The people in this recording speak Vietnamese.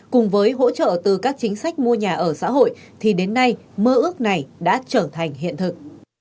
cùng với hỗ trợ từ các chính sách mua nhà ở xã hội thì đến nay mơ ước này đã trở thành hiện thực